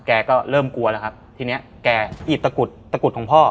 แกก็เริ่มกลัวแล้วครับทีนี้แกอีดตะกุดของพ่อ